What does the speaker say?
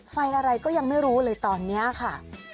ไฟอะไรก็ยังไม่รู้เลยตอนนี้ค่ะ